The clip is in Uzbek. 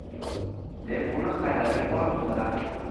Deb uni haydab yuboribdilar